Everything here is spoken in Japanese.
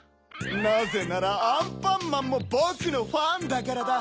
なぜならアンパンマンもぼくのファンだからだ。